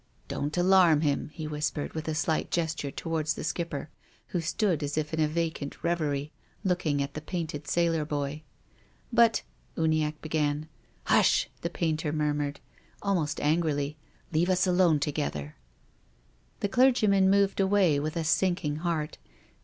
" Don't alarm him," he whispered, with a slight gesture towards the Skipper, who stood as if in a vacant reverie, looking at the painted sailor boy. " But —" Uniacke began. " Hush !" the painter murmured, almost angrily. " Leave us alone together." The clergyman moved away with a sinking heart.